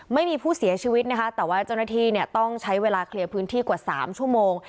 ไม่มีผู้เสียชีวิตนะคะแต่ว่าเจ้าหน้าที่เนี่ยต้องใช้เวลาเคลียร์พื้นที่กว่า๓ชั่วโมง